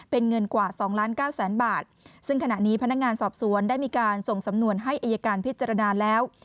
เป็นเงินกว่าสองล้านเก้าแสนบาทซึ่งขณะนี้พนักงานสอบสวนได้มีการส่งสำนวนให้อายการพิจารณาแล้ว